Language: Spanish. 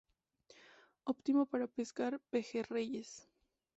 Óptimo para pescar pejerreyes.